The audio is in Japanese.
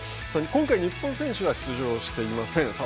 今回日本選手は出場していません。